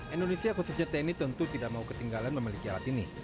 indonesia khususnya tni tentu tidak mau ketinggalan memiliki alat ini